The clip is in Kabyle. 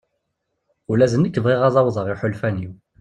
Ula d nekk bɣiɣ ad awḍeɣ iḥulfan-iw.